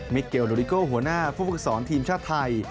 มิเกลโดริโก้หัวหน้าฟุตฟุตซอลทีมชาติไทย